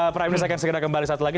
prime news akan segera kembali satu lagi